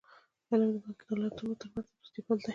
علم د ملتونو ترمنځ د دوستی پل دی.